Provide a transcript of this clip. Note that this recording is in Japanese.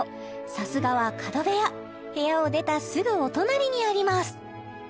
さすがは角部屋部屋を出たすぐお隣にあります